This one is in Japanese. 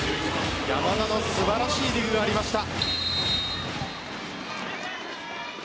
山田の素晴らしいディグがありました。